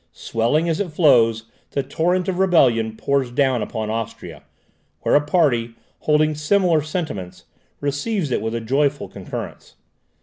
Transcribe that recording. Swelling as it flows, the torrent of rebellion pours down upon Austria, where a party, holding similar sentiments, receives it with a joyful concurrence.